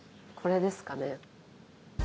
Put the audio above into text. これですかね。